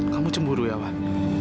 kamu cemburu ya wah